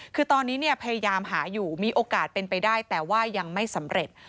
คือตอนนี้เนี่ยพยายามหาอยู่มีโอกาสเป็นไปได้แต่ว่ายังไม่สำเร็จ